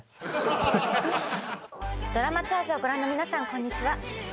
『ドラマツアーズ』をご覧の皆さんこんにちは。